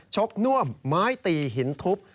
บน่วมไม้ตีหินทุบ